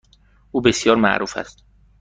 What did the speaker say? او بسیار معروف است.